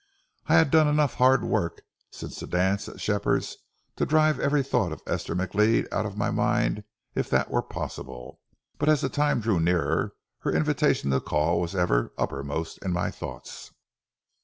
I had done enough hard work since the dance at Shepherd's to drive every thought of Esther McLeod out of my mind if that were possible, but as the time drew nearer her invitation to call was ever uppermost in my thoughts.